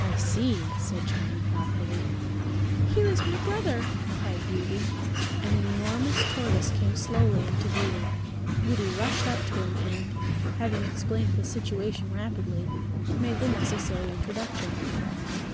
"I see," said Charming thoughtfully. "Here is my brother," cried Beauty. An enormous tortoise came slowly into view. Beauty rushed up to him and, having explained the situation rapidly, made the necessary introduction.